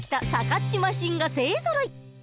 かっちマシーンが勢ぞろい。